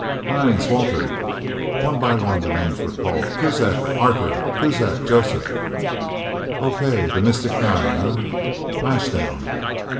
"Hines, Walter?" One by one the names were called... "Kuzak, Arthur?... Kuzak, Joseph?..." "Okay the Mystic Nine, eh? Lash down!"